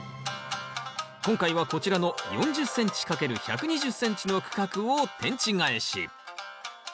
今回はこちらの４０ｃｍ×１２０ｃｍの区画を天地返し。